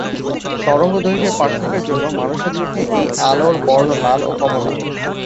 তরঙ্গদৈর্ঘ্যের পার্থক্যের জন্য মানুষের চোখে এই আলোর বর্ণ লাল ও কমলা।